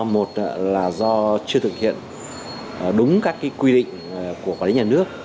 một là do chưa thực hiện đúng các quy định của quản lý nhà nước